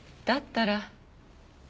だったら。